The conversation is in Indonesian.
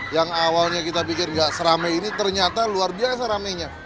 yang awalnya kita pikir gak seramai ini ternyata luar biasa rame nya